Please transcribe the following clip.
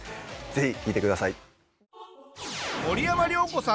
ぜひ聴いてください。